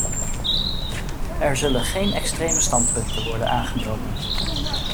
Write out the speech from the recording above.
Er zullen geen extreme standpunten worden aangenomen.